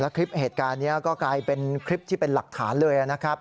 คลิปเหตุการณ์นี้ก็กลายเป็นคลิปที่เป็นหลักฐานเลยนะครับ